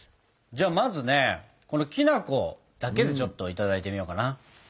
じゃあまずねこのきな粉だけでちょっといただいてみようかな。